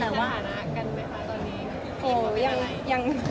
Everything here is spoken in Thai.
แต่ว่าหานะกันไหมคะตอนนี้